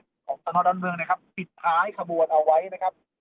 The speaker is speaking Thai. ของสนดอนเมืองนะครับปิดท้ายขบวนเอาไว้นะครับ